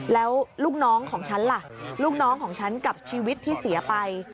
แล้วลูกน้องของฉันล่ะลูกน้องของฉันกับชีวิตที่เสียไป